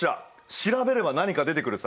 調べれば何か出てくるさ。